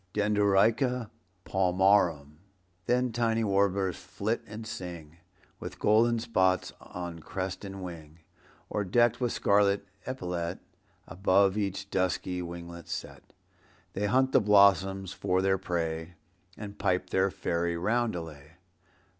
(Dendroica palmarum.) Then tiny warblers flit and sing, With golden spots on crest and wing, Or, decked with scarlet epaulette Above each dusky winglet set, They hunt the blossoms for their prey And pipe their fairy roundelay.